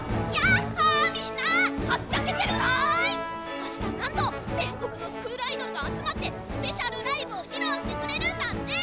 明日なんと全国のスクールアイドルが集まってスペシャルライブを披露してくれるんだって！